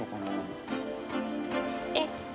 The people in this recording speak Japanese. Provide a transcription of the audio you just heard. えっ。